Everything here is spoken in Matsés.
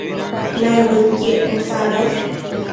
naimëdquiec posadosh